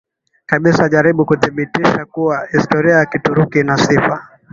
kabisa jaribu kudhibitisha kuwa historia ya Kituruki ina sifa